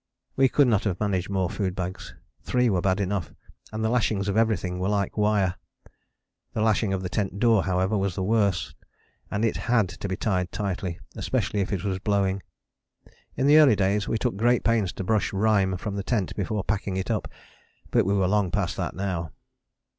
We could not have managed more food bags three were bad enough, and the lashings of everything were like wire. The lashing of the tent door, however, was the worst, and it had to be tied tightly, especially if it was blowing. In the early days we took great pains to brush rime from the tent before packing it up, but we were long past that now.